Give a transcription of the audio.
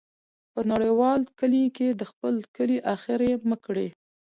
په نړیوال کلي کې د خپل کلی ، اخر یې مه کړې.